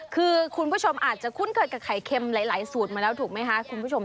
คือคุณผู้ชมอาจจะคุ้นเคยกับไข่เค็มหลายสูตรมาแล้วถูกไหมคะคุณผู้ชม